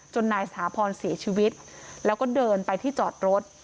นายสถาพรเสียชีวิตแล้วก็เดินไปที่จอดรถ